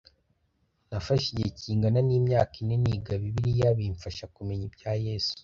Nafashe igihe kingana n’imyaka ine niga Bibiliya bimfasha kumenya ibya Yesu.